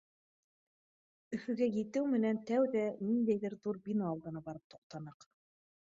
Өфөгә етеү менән тәүҙә ниндәйҙер ҙур бина алдына барып туҡтаныҡ.